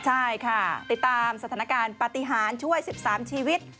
ใช่ค่ะติดตามสถานการณ์ปฏิหารช่วย๑๓ชีวิต